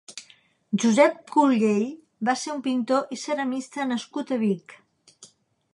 Josep Collell va ser un pintor i ceramista nascut a Vic.